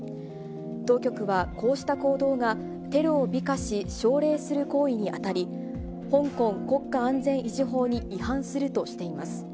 当局はこうした行動が、テロを美化し、奨励する行為に当たり、香港国家安全維持法に違反するとしています。